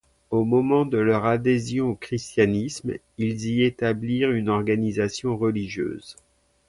Au moment de leur adhésion au christianisme, ils y établirent une organisation religieuse.